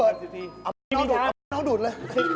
เอาน้องดูดน้องดูดนะ